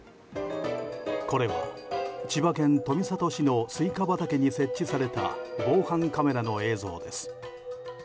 これは千葉県富里市のスイカ畑に設置された防犯カメラの映像です。